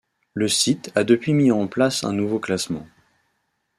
Le site a depuis mis en place un nouveau classement.